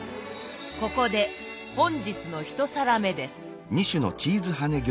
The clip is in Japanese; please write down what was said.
ここで本日の１皿目です。